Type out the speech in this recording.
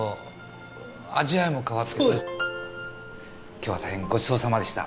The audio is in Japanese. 今日は大変ごちそうさまでした。